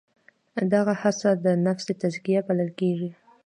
دغه هڅه د نفس تزکیه بلل کېږي.